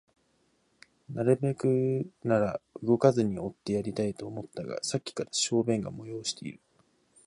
なるべくなら動かずにおってやりたいと思ったが、さっきから小便が催している